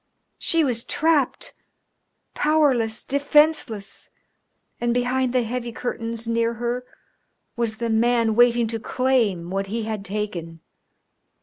She was trapped, powerless, defenceless, and behind the heavy curtains near her was the man waiting to claim what he had taken.